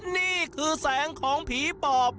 นี่คือแสงของผีปอบ